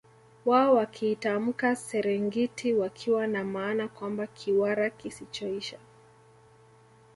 Wao wakiitamka Serengiti wakiwa na maana kwamba Kiwara kisichoisha